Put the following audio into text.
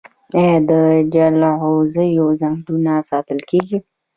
آیا د جلغوزیو ځنګلونه ساتل کیږي؟